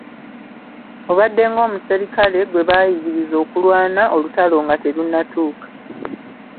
Obadde ng'omuserikale gwe baayigiriza okulwana, olutalo nga terunnatuuka.